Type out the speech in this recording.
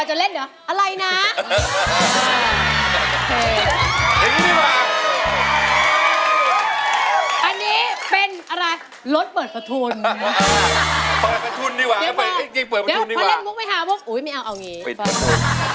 อันนี้เป็นอะไรรถเปิดกระทุนเปิดกระทุนดีกว่าเดี๋ยวพอเล่นมุกไว้ครับว่าอุ๊ยไม่เอาเอาอย่างงี้